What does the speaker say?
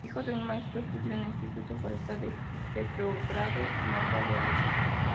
Hijo de un maestro, estudió en el instituto forestal de Petrogrado, no graduándose.